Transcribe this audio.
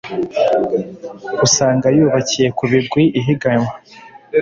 usanga yubakiye ku bigwi ihiganwa